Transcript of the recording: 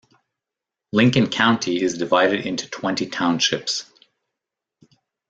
Lincoln County is divided into twenty townships.